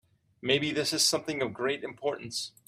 Maybe this is something of great importance.